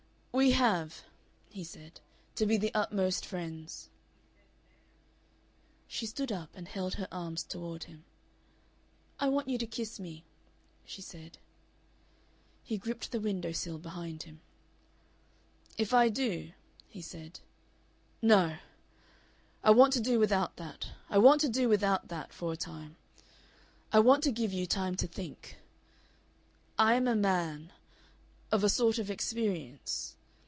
"We have," he said, "to be the utmost friends." She stood up and held her arms toward him. "I want you to kiss me," she said. He gripped the window sill behind him. "If I do," he said.... "No! I want to do without that. I want to do without that for a time. I want to give you time to think. I am a man of a sort of experience.